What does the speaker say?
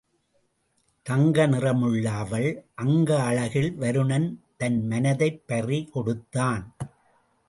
தங்க நிறமுள்ள அவள் அங்க அழகில் வருணன் தன் மனதைப் பறி கொடுத்தான்.